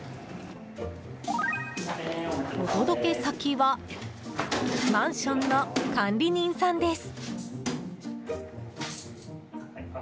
お届け先はマンションの管理人さんです。